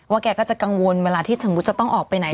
แกก็จะกังวลเวลาที่สมมุติจะต้องออกไปไหน